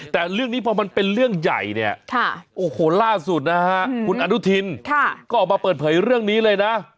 แต่เรื่องนี้พอมันเป็นเรื่องใหญ่เนี่ยโอ้โหล่าสุดนะฮะคุณอนุทินก็ออกมาเปิดเผยเรื่องนี้เลยนะ